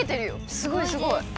すごいすごい！